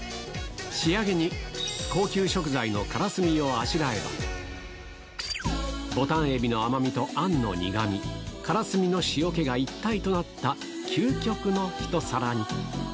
仕上げに高級食材の唐墨をあしらえば、ボタン海老の甘みとあんの苦み、唐墨の塩気が一体となった究極の一皿に。